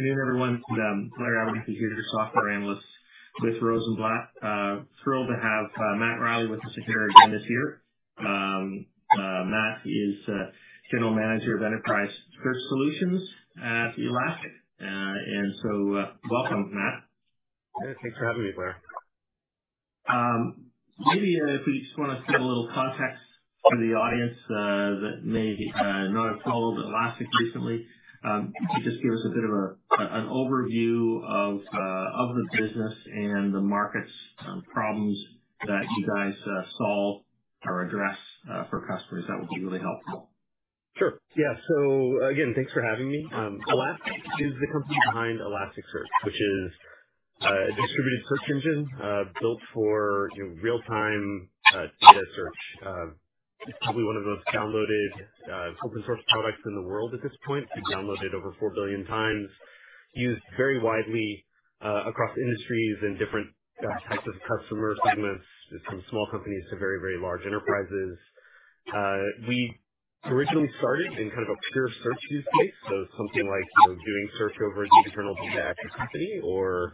Good afternoon everyone. Blair Abernethy here, Software Analyst with Rosenblatt. Thrilled to have Matt Riley with us from Elastic here. Matt is General Manager of Enterprise Search Solutions at Elastic, so welcome Matt. Thanks for having me, Blair. Maybe if we just want to give a little context to the audience that may not have followed Elastic recently, just give us a bit of an overview of the business and the market problems that you guys solve or address for customers. That would be really helpful. Sure, yeah. So again, thanks for having me. Elastic is the company behind Elasticsearch, which is a distributed search engine built for real-time search. Probably one of the most downloaded open source products in the world at this point. Downloaded over 4 billion times, used very widely across industries and different types of customer segments from small companies to very, very large enterprises. We originally started in kind of a pure search use case, so something like doing search over the internal company or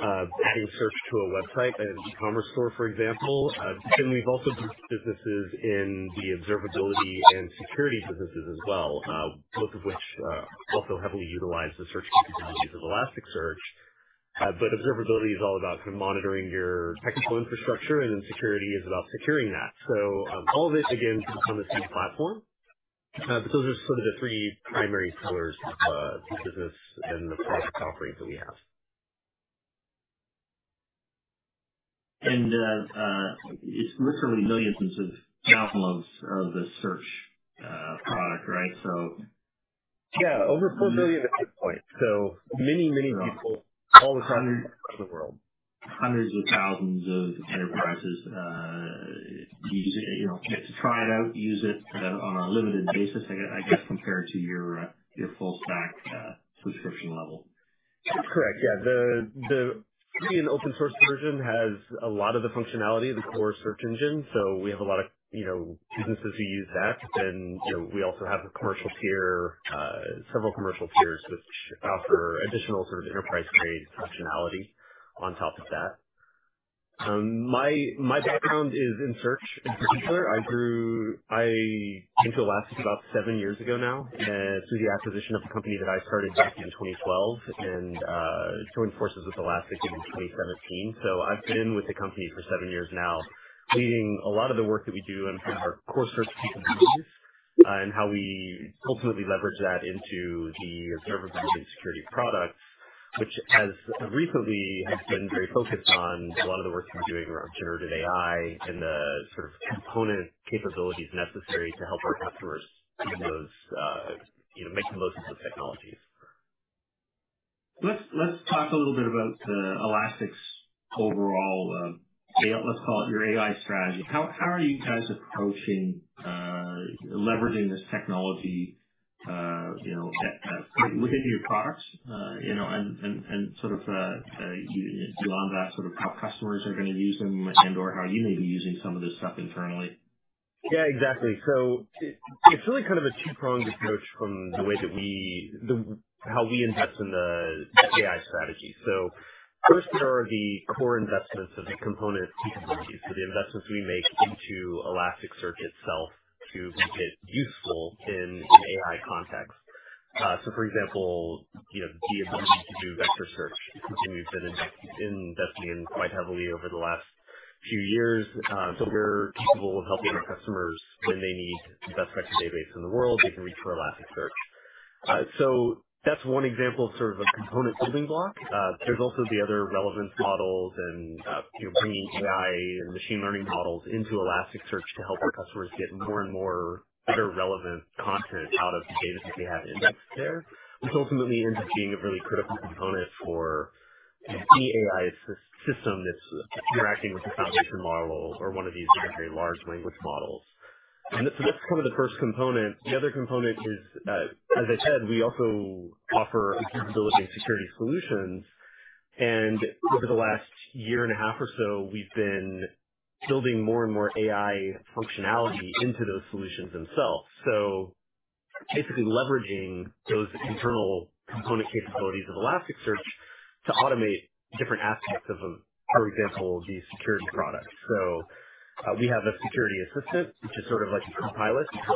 adding search to a website, an e-commerce store for example. Then we've also built businesses in the observability and businesses as well, both of which also heavily utilize the search capabilities of Elasticsearch. But observability is all about monitoring your technical infrastructure and then security is about securing that. So all of it again on the same platform. But those are sort of the three primary pillars, business and the product offerings that we have. And it's literally millions of downloads of the search product. Right? So yeah, over 4 million at this point. So many, many people all the time around the world. Hundreds of thousands of enterprises, you know, get to try it out, use it on a limited basis I guess compared to your full stack subscription level. Correct. Yeah, the free and open source version has a lot of the functionality, the core search engine. So we have a lot of, you know, businesses who use that. Then we also have a commercial tier, several commercial tiers which offer additional sort of enterprise-grade functionality on top of that. My background is in search in particular. I came to Elastic about seven years ago now through the acquisition of a company that I started back in 2012 and joined forces with Elastic in 2017. So I've been with the company for seven years now, leading a lot of the work that we do in our core search capabilities and how we ultimately leverage that into the observability, security products, which as recently has been very focused on a lot of the work we're doing around Generative AI and the sort of component capabilities necessary to help our customers make the most of those technologies. Let's talk a little bit about Elasticsearch overall. Let's call it your AI strategy. How are you guys approaching leveraging this technology, you know, within your products, you know, and sort of beyond that, sort of how customers are going to use them and, or how you may be using some of this stuff interna lly? Yeah, exactly. So it's really kind of a two-pronged approach from the way that we, the how we invest in the AI strategy. So first there are the core investments of the component capabilities. So the investments we make into Elasticsearch itself to make it useful in AI context. So for example, you know, the ability to do vector search, we've been investing in quite heavily over the last few years. So we're capable of helping our customers when they need the best database in the world, they can reach for Elasticsearch. So that's one example of sort of a component building block. There's also the other relevance models and bringing AI and machine learning models into Elasticsearch to help our customers get more and more relevant content out of the data that they have indexed there, which ultimately ends up being a really critical component for any AI system that's interacting with the foundation model or one of these very large language models. And so that's kind of the first component. The other component is, as I said, we also offer observability and security solutions. And over the last year and a half or so we've been building more and more AI functionality into those solutions themselves. So basically leveraging those internal component capabilities of Elasticsearch to automate different aspects of, for example, these security products. So we have a security assistant which is sort of like a copilot that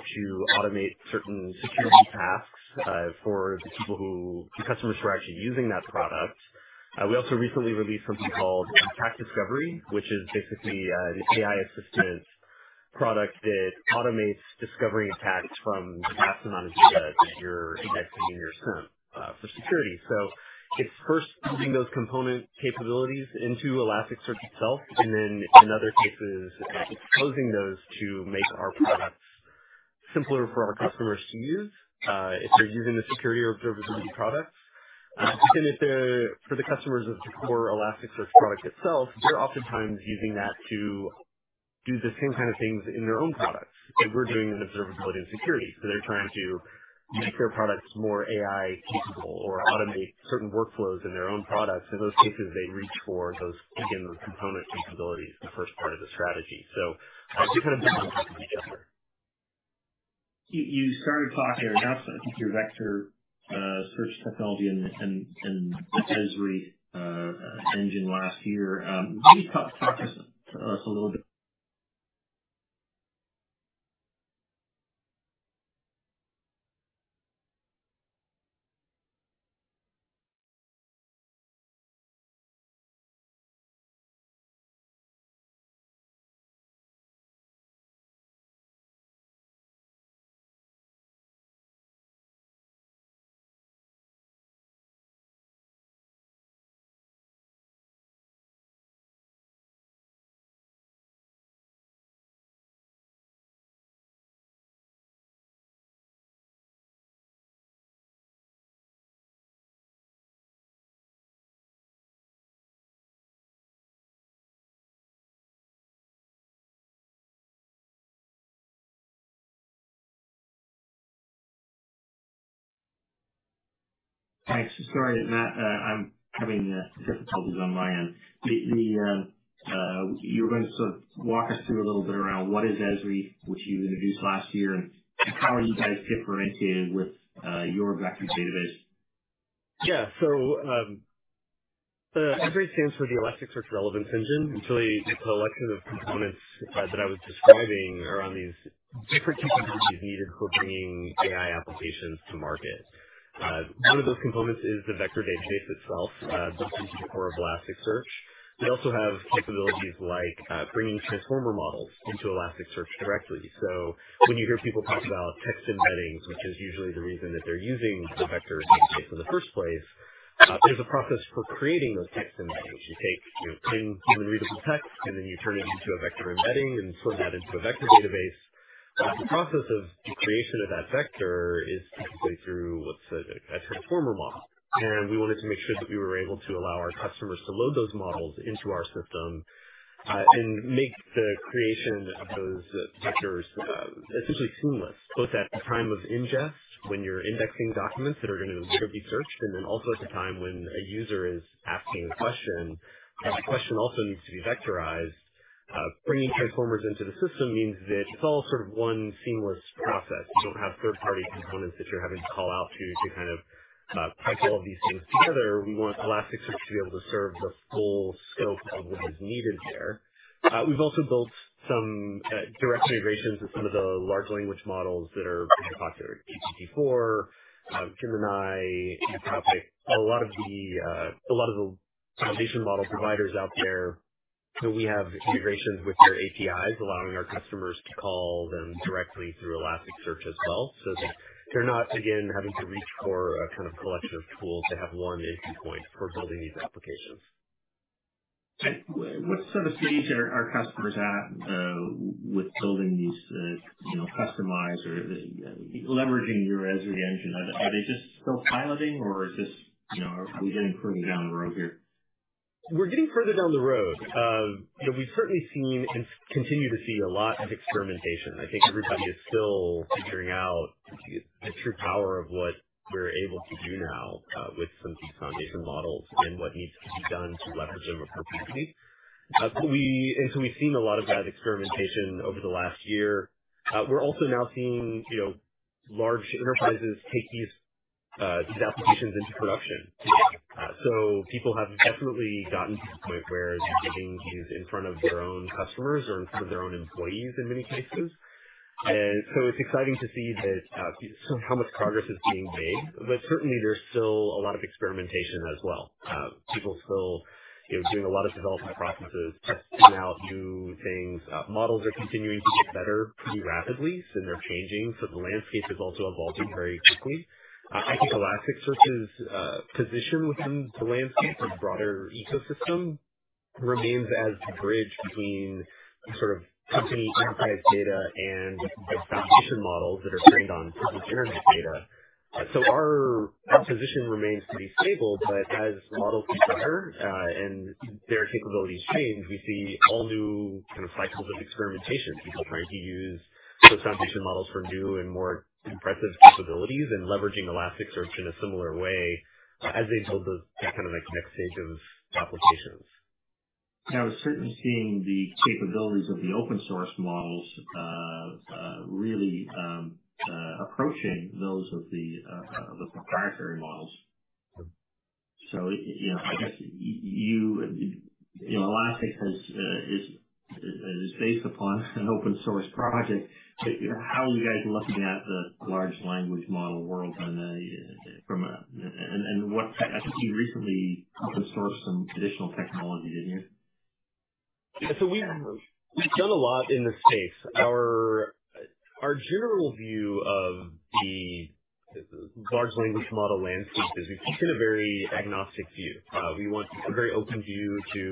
automates certain security tasks for the people, the customers, who are actually using that product. We also recently released something called Attack Discovery, which is basically an AI assistant product that automates the discovery of attacks from massive data that you're indexing in your SIEM for security. So it's first moving those component capabilities into Elasticsearch itself and then in other cases exposing those to make our product simpler for our customers to use. If they're using the security or observability products for the customers of the core Elasticsearch product itself, they're oftentimes using that to do the same kind of things in their own products like we're doing in observability and security. So they're trying to make their products more AI capable or automate certain workflows in their own products. In those cases they reach for those again, those component capabilities, the first part of the strategy. So you started talking to your vector search technology and the ESRE engine last year. Maybe talk to us a little bit. Thanks. Sorry Matt, I'm having difficulties on my end. You were going to walk us through a little bit around what is ESRE, which you introduced last year, and how are you guys differentiated with your vector database? Yeah, so ESRE stands for the Elasticsearch Relevance Engine. It's really the collection of components that I was describing around these different technologies needed for bringing AI applications to market. One of those components is the vector database itself built for Elasticsearch. We also have capabilities like bringing Transformer models into Elasticsearch directly. So when you hear people talk about text embeddings, which is the reason that they're using the vector database in the first place, there's a process for creating those text embeddings. You take human readable text and then you turn it into a vector embedding and turn that into a vector database. The process of the creation of that vector is typically through what's a Transformer model. We wanted to make sure that we were able to allow our customers to load those models into our system and make the creation of those vectors essentially seamless, both at the time of ingest, when you're indexing documents that are going to be searched, and then also at the time when a user is asking a question. The question also needs to be vectorized. Bringing transformers into the system means that it's all sort of one seamless process. You don't have third-party components that you're having to call out to kind of punch all of these things together. We want Elasticsearch to be able to serve the full scope of what is needed there. We've also built some direct integrations of some of the large language models that are popular. GPT-4, Gemini, a lot of the foundation model providers out there, we have integrations with their APIs, allowing our customers to call them directly through Elasticsearch as well, so that they're not again having to reach for a kind of collection of tools. They have one entry point for building these applications. What sort of stage are customers at with building these customize or leveraging your ESRE engine? Are they just still piloting or are we getting further down the road here? We're getting further down the road. We've certainly seen and continue to see a lot of experimentation. I think everybody is still figuring out the true power of what we're able to do now with some foundation models and what needs to be done to leverage them appropriately. So we've seen a lot of that experimentation over the last year. We're also now seeing large enterprises take these applications into production, so people have definitely gotten to the point where they're getting these in front of their own customers or in front of their own employees in many cases. So it's exciting to see how much progress is being made. But certainly there's still a lot of experimentation as well. People still doing a lot of development processes, testing out new things. Models are continuing to get better pretty rapidly and they're changing. So the landscape is also evolving very quickly. I think Elasticsearch's position within the landscape of broader ecosystem remains as the bridge between sort of company enterprise data and the foundation models that are trained on data. So our proposition remains pretty stable. But as models get better and their capabilities change, we see all new cycles of experimentation. You use those foundation models for new and more impressive capabilities and leveraging Elasticsearch in a similar way as they build the kind of next stage of applications. I was certainly seeing the capabilities of the open source models really approaching those of the proprietary models. So I guess you, Elastic is based upon an open source project. How are you guys looking at the large language model world? I think you recently open-sourced some additional technology, didn't you? So we've done a lot in this space. Our general view of the large language model landscape is we keep in a very agnostic view. We want a very open view to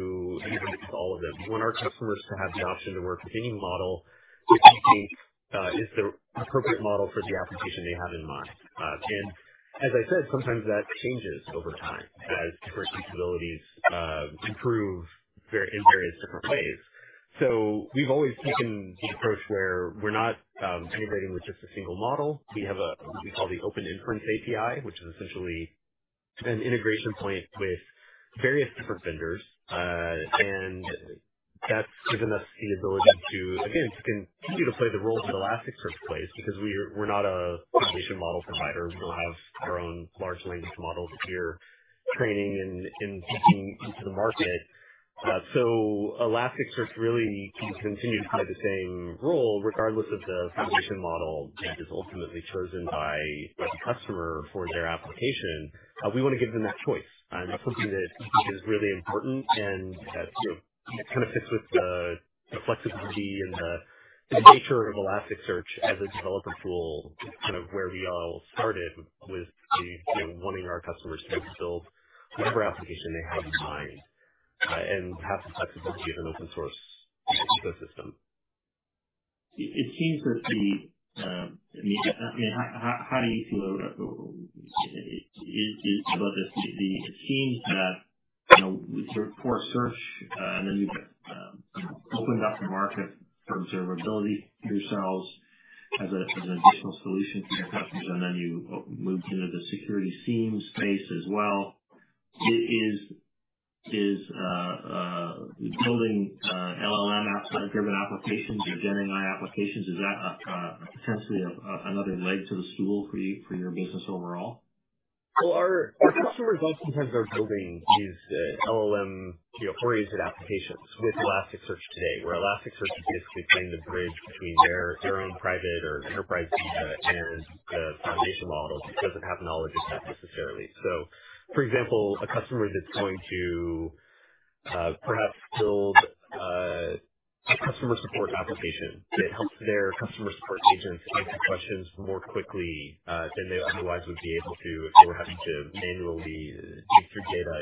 all of them. We want our customers to have the option to work with. Any model we're keeping is the appropriate model for the application they have in mind. As I said, sometimes that changes over time as different capabilities improve in various different ways. We've always taken the approach where we're not integrating with just a single model. We have what we call the Open Inference API, which is essentially an integration point with various different vendors. That's given us the ability to again continue to play the role that Elasticsearch plays. Because we're not a foundation model provider, we don't have our own large language models here, training in the market. Elasticsearch really can continue to play the same role regardless of the foundation model that is ultimately chosen by the customer for their application. We want to give them that choice. That's something that is really important and kind of fits with the flexibility and the nature of Elasticsearch as a developer tool. Kind of where we all started with wanting our customers to build whatever application they have in mind and have the flexibility of an open source ecosystem. It seems that... How do you see the themes that your core search and then you opened up the market for observability yourselves as an additional solution for your customers, and then you moved into the security SIEM space as well. Building LLM driven applications or GenAI applications. Is that potentially another leg to the stool for your business overall? Well, our customers oftentimes are building these LLM applications with Elasticsearch today, where Elasticsearch is basically playing the bridge between their own private or enterprise data. And the foundation model doesn't have knowledge of that necessarily. So, for example, a customer that's going to perhaps build a customer support application that helps their customer support agents answer questions more quickly than they otherwise would be able to if they were having to manually,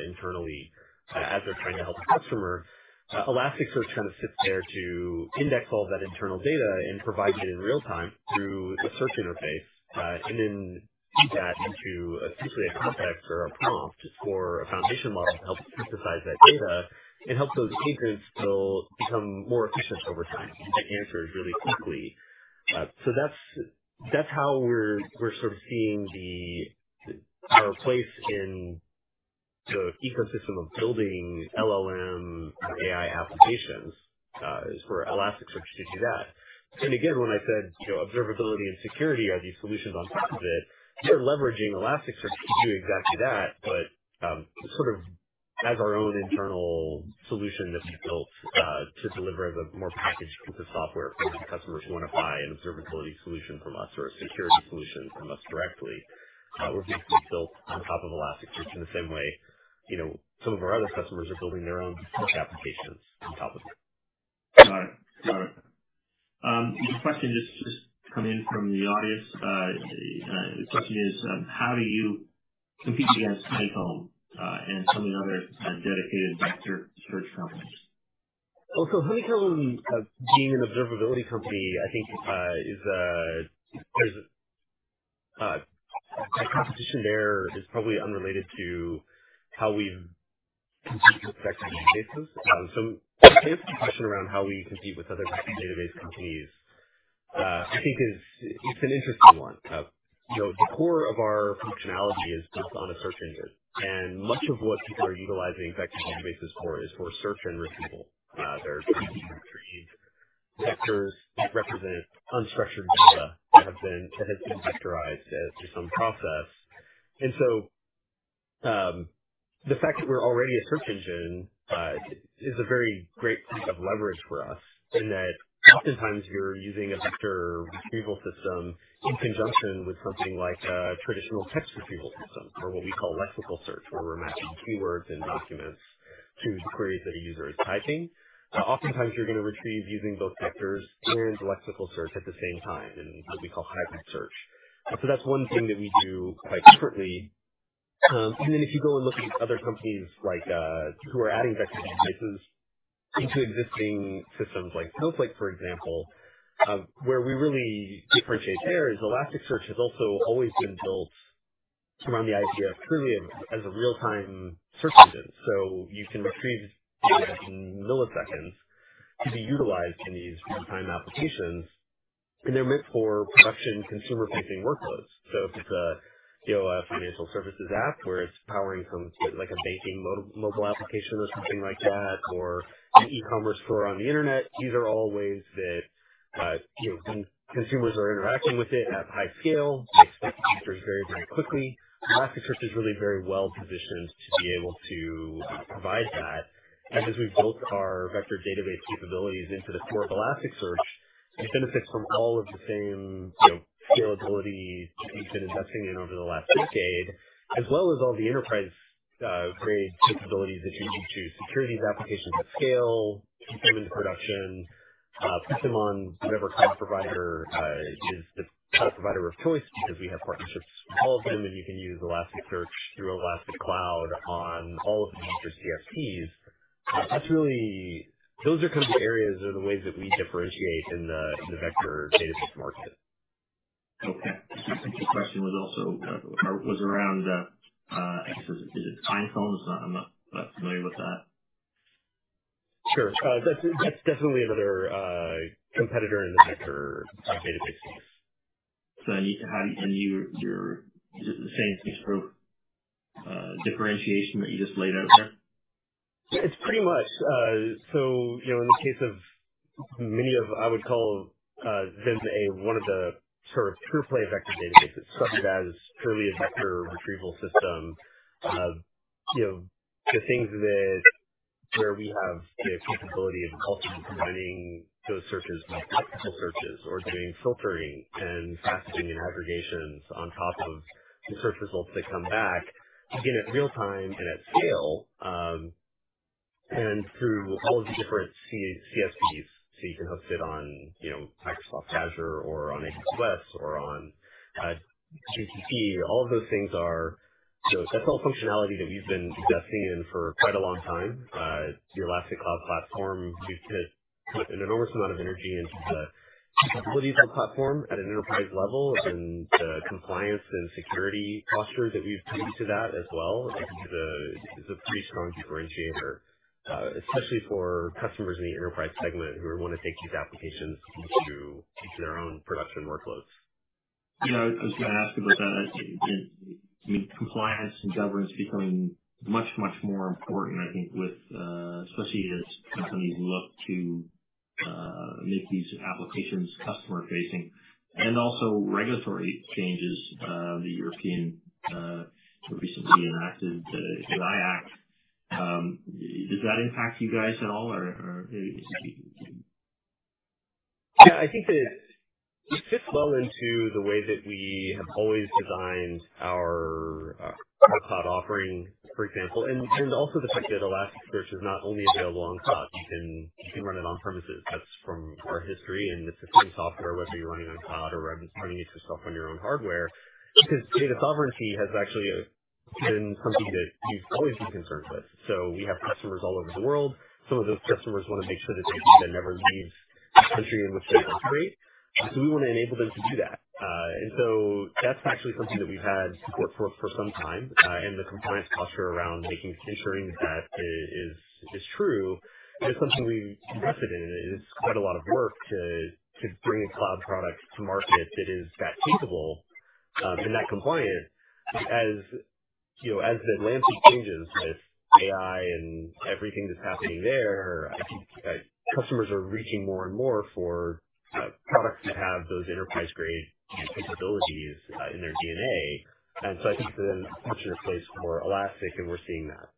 internally, as they're trying to help a customer, Elasticsearch kind of sits there to index all that internal data and provide it in real time through the search interface and then feed that into essentially a context or a prompt for a foundation model to help synthesize that data and help those agents become more efficient over time. Answers really quickly. So that's how we're sort of seeing the. Our place in the ecosystem of building LLM AI applications is for Elasticsearch to do that. And again, when I said observability and security, are these solutions on top of it? We're leveraging Elasticsearch to do exactly that, but sort of as our own internal solution that we built to deliver the more packaged piece of software. Customers who want to buy an observability solution from us or a security solution from us directly were built on top of Elasticsearch in the same way some of our other customers are building their own applications on top of it. Got it. Got it. The question just come in from the audience. The question is, how do you compete against Honeycomb and so many other dedicated search companies? Honeycomb being an observability company, I think is there's competition? There is probably unrelated to how we've discussed, the question around how we compete with other vector database companies, I think is an interesting one. The core of our functionality is built on a search engine, and much of what people are utilizing vector databases for is for search and retrievable vectors that represent unstructured data that has been vectorized as some process. And so the fact that we're already a search engine is a very great piece of leverage for us in that oftentimes you're using a vector retrieval system in conjunction with something like a traditional text retrieval system, or what we call lexical search, where we're matching keywords and documents to the queries that a user is typing. Oftentimes you're going to retrieve using both vectors and lexical search at the same time in what we call hybrid search. So that's one thing that we do quite differently. And then if you go and look at other companies who are adding vector databases into existing systems like Snowflake for example, where we really differentiate there is Elasticsearch has also always been until around the idea truly as a real-time search engine. So you can retrieve data in milliseconds to be utilized in these real-time applications. They're meant for production consumer-facing workloads. So if it's a financial services app where it's powering like a banking mobile application or something like that, or an e-commerce store on the Internet, these are all ways that consumers are interacting with it at high scale. They expect answers very, very quickly. Elasticsearch is really very well positioned to be able to provide that. As we've built our vector database capabilities into the core of Elasticsearch, it benefits from all of the same scalability we've been investing in over the last decade, as well as all the enterprise grade capabilities that you need to secure these applications at scale, keep them into production, put them on whatever cloud provider is the cloud provider of choice because we have partnerships with all of them. You can use Elasticsearch through Elastic Cloud on all of the major CSPs. That's really. Those are kind of the areas or the ways that we differentiate in the vector database market. Okay, I think the question was also was around is it Pinecone? I'm not familiar with that. Sure. That's definitely another competitor in the vector database. So the same differentiation that you just laid out there? It's pretty much so in the case of many of—I would call them—one of the sort of pure play vector databases such as purely a vector retrieval system. The things where we have the capability of combining those searches with lexical searches or doing filtering and aggregations on top of the search results that come back in real time and at scale and through all of the different CSPs. So you can host it on Microsoft Azure or on AWS or on GCP. All of those things are. That's all functionality that we've been investing in for quite a long time. The Elastic Cloud platform, we've put an enormous amount of energy into the capabilities of the platform at an enterprise level. The compliance and security posture that we've tied to that as well is a pretty strong differentiator, especially for customers in the enterprise segment who want to take these applications into their own production workloads. Yeah, I was going to ask about that. Compliance and governance becoming much, much more important. I think with especially as companies look to make these applications customer facing and also regulatory changes. Europe's recently enacted AI Act. Does that impact you guys at all or? I think that it fits well into the way that we have always designed our cloud offering, for example, and also the fact that Elasticsearch is not only available on cloud, you can run it on-premises. That's from our history. It's the same software whether you're running on cloud or running it yourself on your own hardware. Because data sovereignty has actually been something that you've always been concerned with. So we have customers all over the world. Some of those customers want to make sure that they never leave the country in which they operate. So we want to enable them to do that. And so that's actually something that we've had support for for some time. And the compliance posture around ensuring that is true is something we invested in. It is quite a lot of work to bring a cloud product to market that is that capable and that compliant. As you know, as the landscape changes with AI and everything that's happening there, customers are reaching more and more for products that have those enterprise-grade capabilities in their DNA. And so I think that's in place for Elastic and we're seeing that.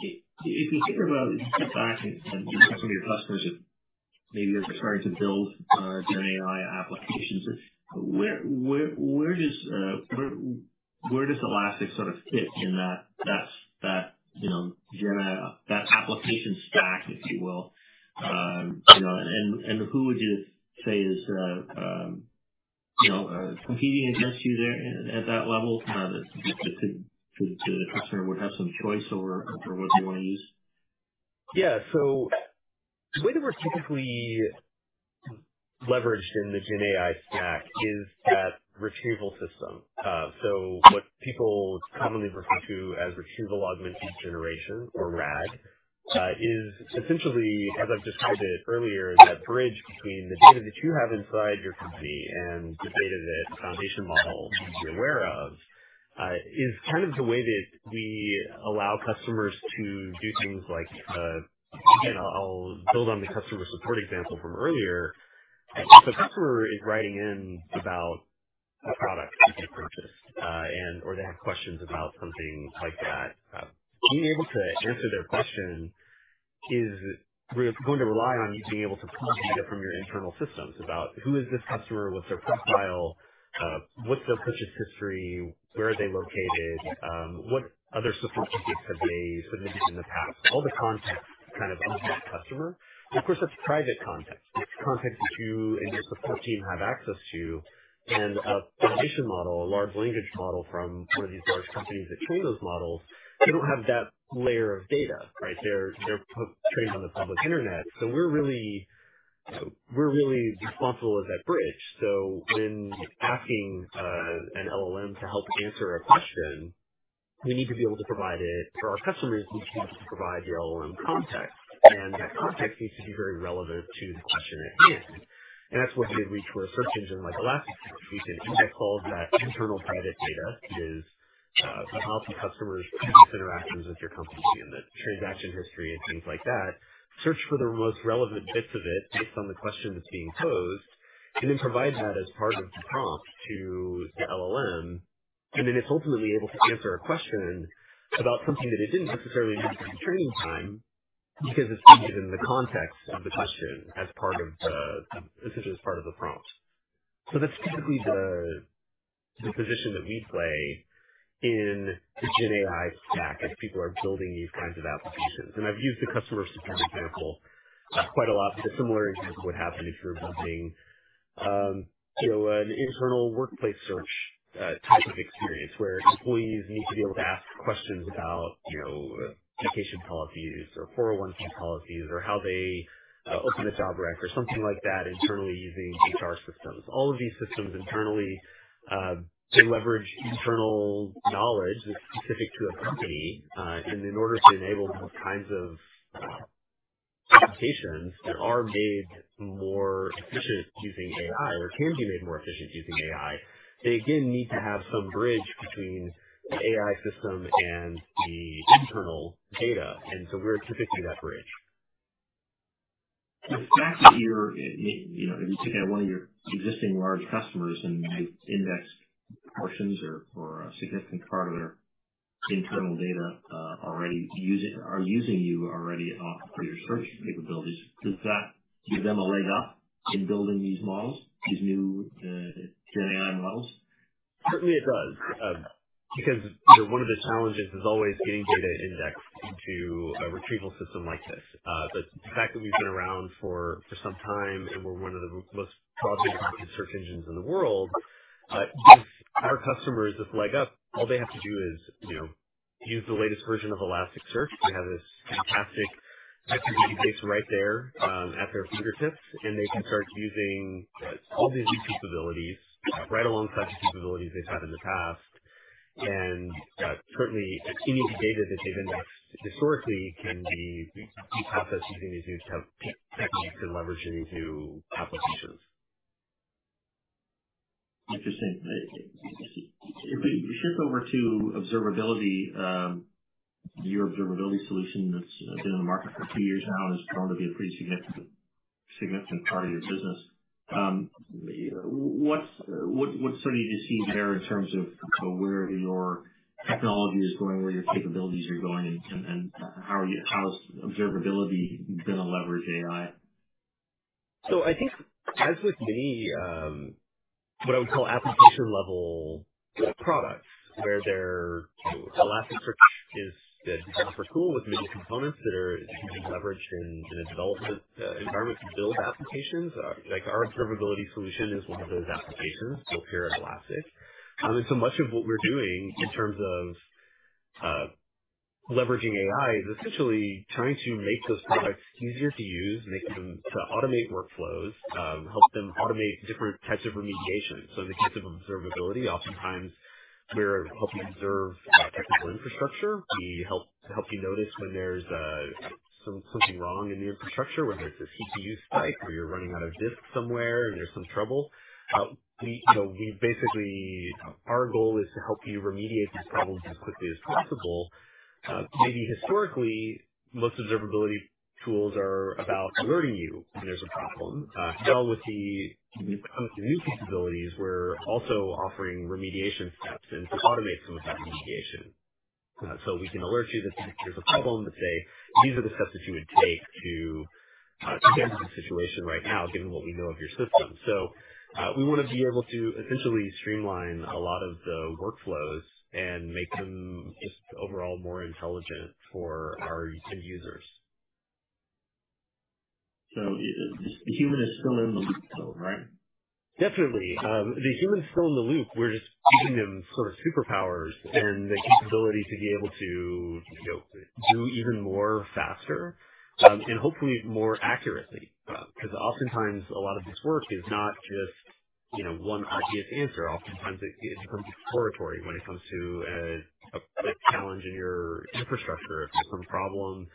If you think about some of your customers that maybe are trying to build Gen AI applications, where does Elastic sort of fit in that application stack, if you will? And who would you say is competing against you there? At that level, the customer would have some choice over what they want to use. Yeah. So the way that we're technically leveraged in the GenAI stack is that retrieval system. So what people commonly refer to as retrieval-augmented generation or RAG is essentially as I've described it earlier, that bridge between the data that you have inside your company and the data that foundation model should be aware of is kind of the way that we allow customers to do things. Like again, I'll build on the customer support example from earlier. If a customer is writing in about a product that they purchased or they have questions about something like that, being able to answer their question is going to rely on you being able to pull data from your internal systems about who is this customer, what's their profile, what's their purchase history, where are they located, what other support have they submitted in the past? All the context kind of that customer. Of course, that's private context. It's context that you and your support team have access to and a foundation model, a large language model from one of these large companies that train those models. They don't have that layer of data right. They're trained on the public Internet. So we're really responsible as that bridge. When asking an LLM to help answer a question, we need to be able to provide it for our customers, need to be able to provide the LLM context. That context needs to be very relevant to the question at hand. That's what we trust. Search engine like Elasticsearch, we can index all of that internal credit data, how can customers' interactions with your company and the transaction history and things like that, search for the most relevant bits of it based on the question that's being posed and then provide that as part of the prompt to the LLM. Then it's ultimately able to answer a question about something that it didn't necessarily training time because it's given the context of the question as part of the essential as part of the prompt. So that's typically the position that we play in the GenAI stack as people are building these kinds of applications. And I've used the customer support example quite a lot similar to what happened if you're building an internal workplace search type of experience where employees need to be able to ask questions about education policies or 401(k) policies or how they open a job req or something like that internally using HR systems. All of these systems internally leverage internal knowledge that's specific to a company in order to enable kinds of that are made more efficient using AI or can be made more efficient using AI. They again need to have some bridge between the AI system and the internal data. And so we're the bridge. The fact that you're, you know, if you take one of your existing large customers and you index portions or a significant part of their internal data already using you already for your search capabilities. Does that give them a leg up in building these models, these new GenAI models? Certainly it does because one of the challenges is always getting data indexed into a retrieval system like this. But the fact that we've been around for some time and we're one of the most prominent search engines in the world give our customers this leg up. All they have to do is use the latest version of Elasticsearch. They have this fantastic database right there at their fingertips and they can start using all these new capabilities right alongside the capabilities they've had in the past. Currently any data that they've indexed historically can be processed using these new techniques to leverage it into applications. Interesting. If we shift over to observability, your observability solution that's been in the market for two years now and has grown to be a pretty significant part of your business, what sort of sees there in terms of where your technology is going, where your capabilities are going, and how is observability going to leverage AI? I think as with many what I would call application level products, where Elasticsearch is cool, with many components that can be leveraged in a development environment to build applications like our observability solution is one of those applications built here at Elastic. So much of what we're doing in terms of leveraging AI is essentially trying to make those products easier to use, making them to automate workflows, help them automate different types of remediation. So in the case of observability, oftentimes we're helping observe technical infrastructure. We help you notice when there's something wrong in the infrastructure, whether it's a CPU spike or you're running out of disk somewhere and there's some trouble. We basically our goal is to help you remediate these problems as quickly as possible. Maybe historically, most observability tools are about alerting you when there's a problem. With the new capabilities, we're also offering remediation steps and to automate some of that remediation. So we can alert you that there's a problem. But say these are the steps that you would take to manage the situation right now, given what we know of your system. So we want to be able to essentially streamline a lot of the workflows and make them just overall more intelligent for our end users. So the human is still in the loop though, right? Definitely, the human's still in the loop. We're just giving them sort of superpowers and the capability to be able to do even more faster and hopefully more accurately. Because oftentimes a lot of this work is not just one obvious answer. Oftentimes it becomes exploratory when it comes to a challenge in your infrastructure, some problem,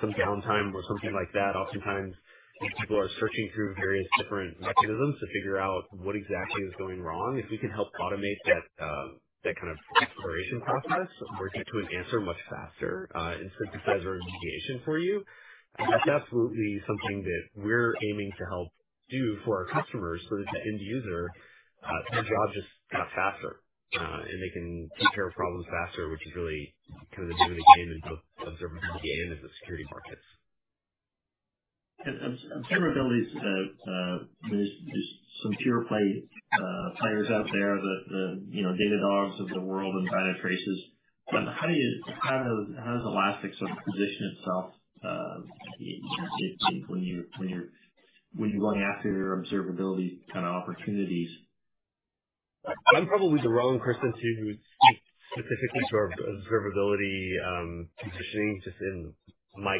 some downtime or something like that, people are searching through various different mechanisms to figure out what exactly is going wrong. If we can help automate that kind of exploration process or get to an answer much faster. And synthesizer remediation for you, that's absolutely something that we're aiming to help do for our customers so that the end user, their job just got faster and they can take care of problems faster, which is really kind of the name of the game in both observability and in the security markets. Observability. There's some pure play players out there, the Datadogs of the world and Dynatrace. But how does Elastic's position itself when you're going after observability kind of opportunities? I'm probably the wrong person to specifically for observability positioning. Just in my.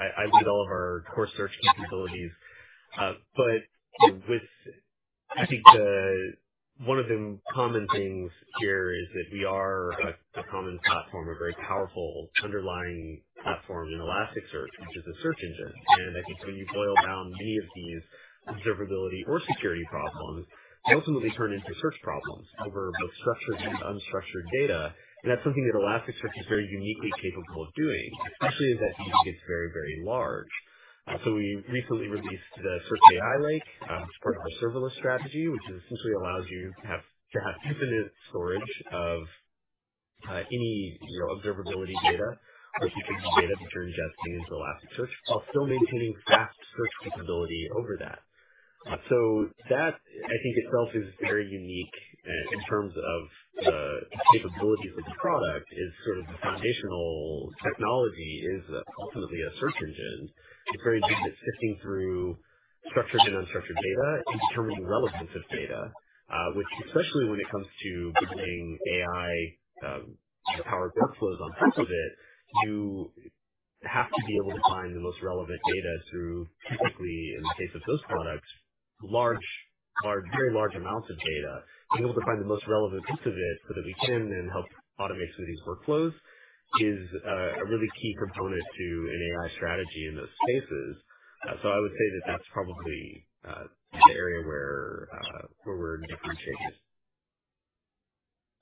I lead all of our core search capabilities but with I think one of the common things here is that we are a common platform, a very powerful underlying platform in Elasticsearch which is a search engine. And I think when you boil down many of these observability or security problems ultimately turn into search problems over both structured and unstructured data. And that's something that Elasticsearch is very uniquely capable of doing, especially as that data gets very, very large. So we recently released the Search AI Lake as part of our serverless strategy, which essentially allows you to have infinite storage of any observability data which you can get data that you're ingesting into Elasticsearch while still maintaining fast search capability over that. So that I think itself is very unique in terms of the capabilities of the product is sort of the foundational technology is ultimately a search engine. It's very good at sifting through structured and unstructured data and determining relevance of data, which especially when it comes to building AI-powered workflows on top of it, you have to be able to find the most relevant data through, typically in the case of those products, large, very large amounts of data. Being able to find the most relevant piece of it so that we can then help automate some of these workflows is a really key component to an AI strategy in those spaces. So I would say that that's probably the area where we're differentiated.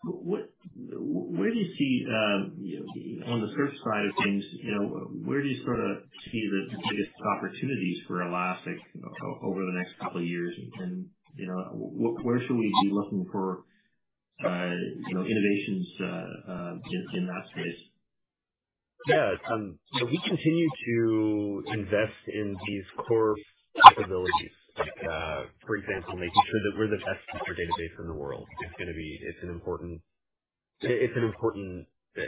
Where do you see on the search side of things, where do you sort of see the biggest opportunities for Elastic over the next couple of years and where should we be looking for innovations in that space? Yeah, we continue to invest in these core capabilities, for example, making sure that we're the best vector database in the world. It's an important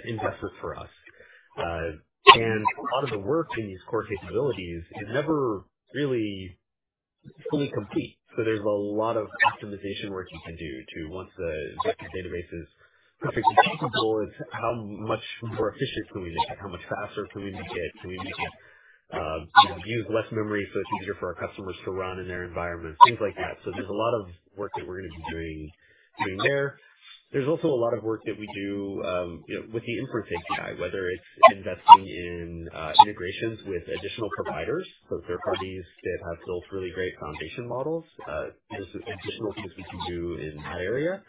investment for us. A lot of the work in these core capabilities it never really fully complete. So there's a lot of optimization work you can do, too, once the database is perfectly capable; it's how much more efficient can we make it, how much faster can we make it, can we make it use less memory so it's easier for our customers to run in their environment, things like that. So there's a lot of work that we're going to be doing there. There's also a lot of work that we do with the Inference API, whether it's investing in integrations with additional providers, so third parties that have built really great foundation models; there's additional things we can do in that area.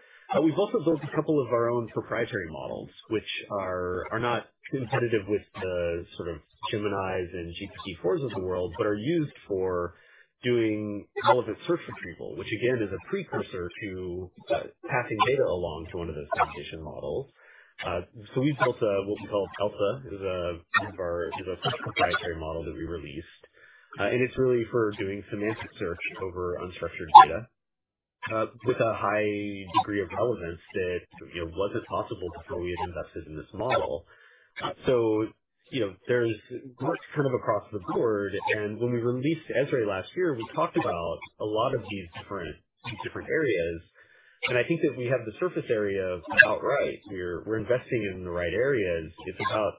We've also built a couple of our own proprietary models which are not competitive with the sort of Geminis and GPT-4s of the world, but are used for doing all of its search retrieval, which again is a precursor to passing data along to one of those composition models. So we built what we call ELSER is a proprietary model that we released and it's really for doing semantic search over unstructured data with a high degree of relevance that wasn't possible before we had invested in this model. So there's work kind of across the board. When we released ESRE last year, we talked about a lot of these different areas and I think that we have the surface area of outright, we're investing in the right areas. It's about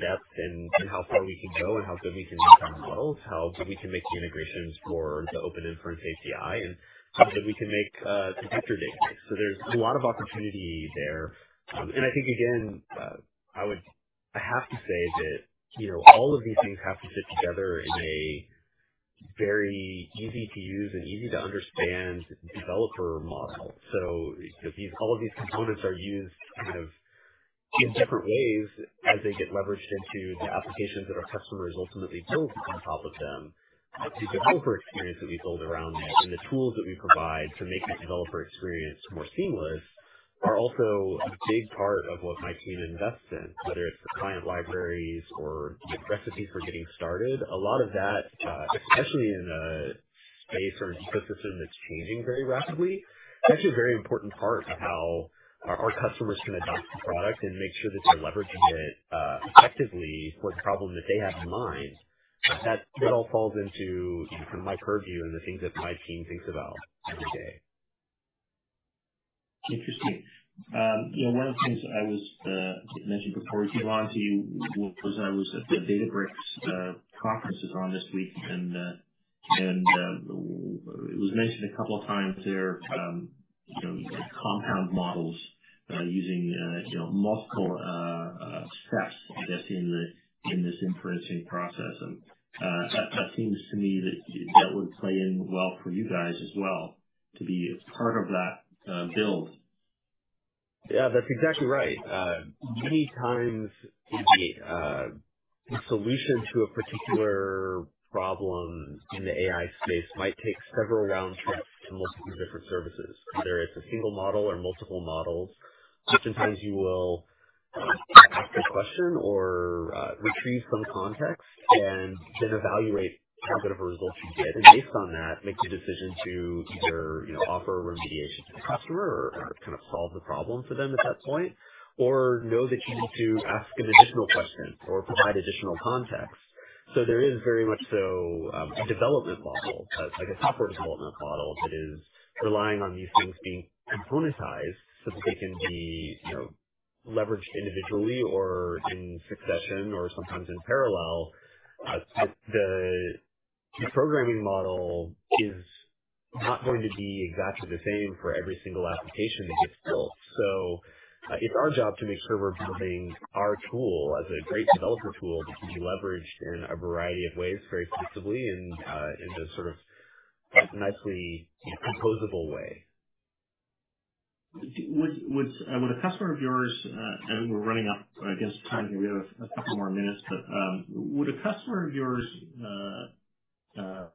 depth and how far we can go and how good we can make our models, how we can make the integrations for the Open Inference API and how we can make the vector database. There's a lot of opportunity there. I think again, I have to say that all of these things have to fit together in a very easy to use and easy to understand developer model. All of these components are used in different ways as they get leveraged into the applications that our customers ultimately build on top of them. The developer experience that we build around that and the tools that we provide to make that developer experience more seamless are also a big part of what my team invests in, whether it's client libraries or recipes for getting started. A lot of that, especially in a space or ecosystem that's changing very rapidly. That's a very important part of how our customers can adopt the product and make sure that they're leveraging it effectively for the problem that they have in mind. That all falls into my purview and the things that my team thinks about every day. Interesting. One of the things I was mentioning before Giovanni was I was at the Databricks conference is on this week and it was mentioned a couple of times there compound models using multiple steps in this inferencing process. That seems to me that would play in well for you guys as well to be part of that build. Yeah, that's exactly right. Many times a solution to a particular problem in the AI space might take several round trips to multiple different services. Whether it's a single model or multiple models. Oftentimes you will ask a question or retrieve some context and then evaluate how good of a result you get and based on that make the decision to either offer remediation to the customer or kind of solve the problem for them at that point or know that you need to ask an additional question or provide additional context. So there is very much so a development model, like a software development model that is relying on these things being componentized so that they can be leveraged individually or in succession or sometimes in parallel. The programming model is not going to be exactly the same for every single application that gets built. So it's our job to make sure we're building our tool as a great developer tool that can be leveraged in a variety of ways very and in a sort of nicely composable way. Would a customer of yours and we're running up against time here, we have a couple more minutes. But would a customer of yours their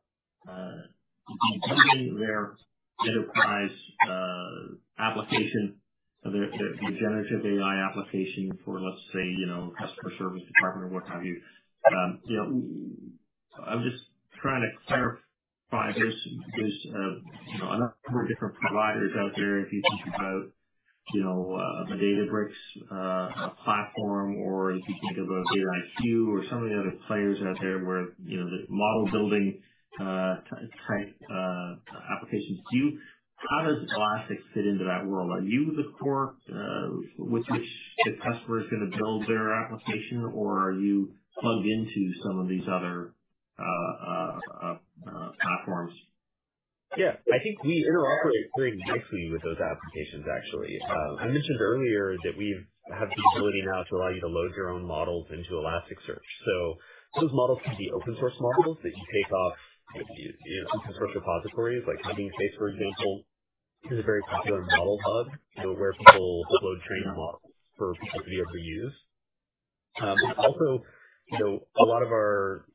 enterprise application, the generative AI application for let's say, you know, customer service department or what have you. I'm just trying to clarify this. There's a number of different providers out there. If you think about, you know, the Databricks platform or if you think about Dataiku or some of the other players out there where you know the model building type applications, how does Elastic's fit into that world? Are you the core with which the customer is going to build their application or are you plugged into some of these other platforms? Yeah, I think we interoperate very nicely with those applications. Actually I mentioned earlier that we have the ability now to allow you to load your own models into Elasticsearch. So those models can be open source models that you take off repositories like Hugging Face, for example, is a very popular model hub where people load train models for people to be able to use. Also a lot of our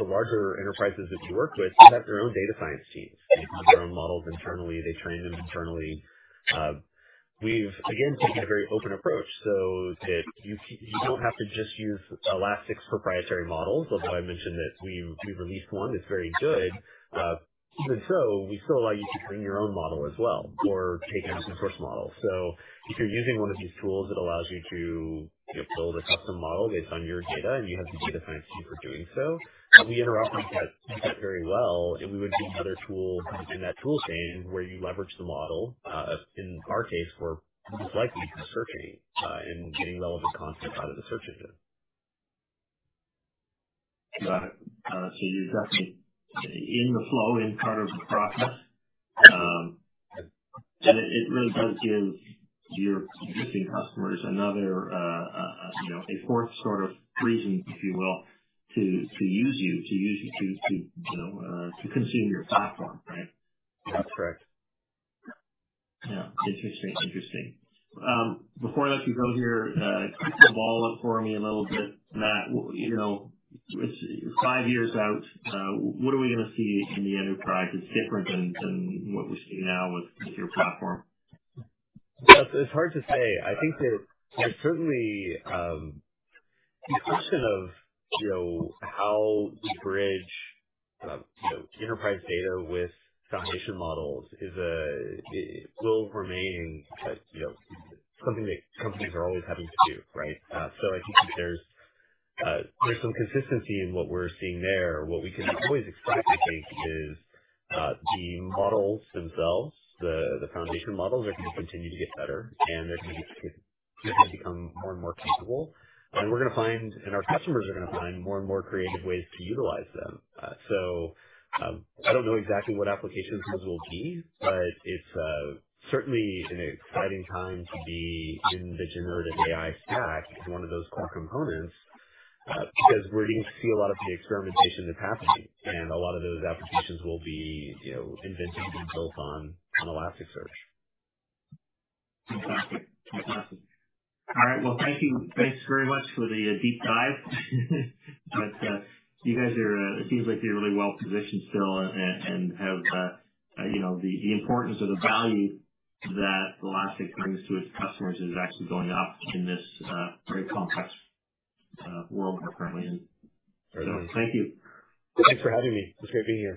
larger enterprises that you work with have their own data science teams, their own models internally. They train them internally. We've again taken a very open approach so that you don't have to just use Elastic's proprietary models. Although I mentioned that we've ELSER one is very good. Even so, we still allow you to train your own model as well or take an open source model. So if you're using one of these tools that allows you to build a custom model based on your data and you have the data science team for doing so, we interoperate very well and we would be another tool in that tool chain where you leverage the model. In our case, we're likely searching and getting relevant content out of the search engine. Got it. So you're definitely in the flow in part of the process. And it really does give your existing customers another, you know, a fourth sort of reason, if you will, to use you. To use, you know, to consume your platform. Right, that's correct, yeah. Interesting, interesting. Before I let you go here, kick the ball up for me a little bit. Matt, you know, five years out, what are we going to see in the enterprise that's different than what we see now with your platform? It's hard to say. I think that certainly the question of how you bridge enterprise data with foundation models will remain something that companies are always having to do. Right. So I think there's some consistency in what we're seeing there. What we can always expect, I think, is the models themselves. The foundation models are going to continue to get better and they're going to become more and more capable and we're going to find. And our customers are going to find more and more creative ways to utilize them. So I don't know exactly what applications will be, but it's certainly an exciting time to be in the Generative AI stack, one of those core components, because we're going to see a lot of the experimentation that's happening and a lot of those applications will be invented to be built on Elasticsearch. Fantastic. All right, well, thank you. Thanks very much for the deep dive. You guys are. It seems like you're really well positioned still, and the importance of the value that Elastic brings to its customers is actually going up in this very complex world we're currently in. So thank you. Thanks for having me. It was great being here.